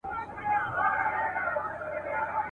سهار ډکه هدیره سي له زلمیو شهیدانو ,